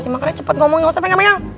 makanya cepet ngomong gak usah pengen pengen